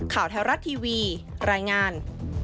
ข่าวแท้รัฐทีวีรายงาน